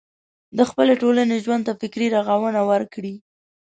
د خپلې ټولنې ژوند ته فکري روغونه ورکړي.